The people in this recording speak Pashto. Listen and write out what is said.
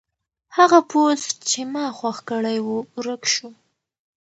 هغه پوسټ چې ما خوښ کړی و ورک شو.